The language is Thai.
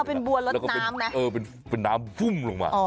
อ้าวเป็นบัวรถน้ำนะแล้วเป็นน้ำสุ่มลงมะ